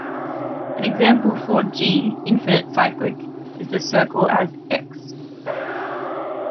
An example for "G" infinite cyclic is the circle as "X".